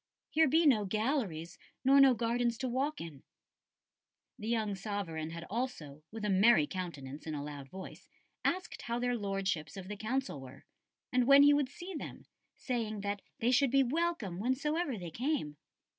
Here be no galleries nor no gardens to walk in.'" The young sovereign had also, with a merry countenance and a loud voice, asked how their Lordships of the Council were, and when he would see them, saying that they should be welcome whensoever they came.